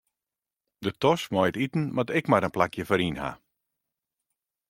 De tas mei iten moat ek mar in plakje foaryn ha.